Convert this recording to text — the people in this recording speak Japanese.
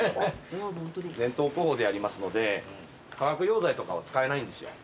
伝統工法でありますので化学溶剤とかを使えないんですよ。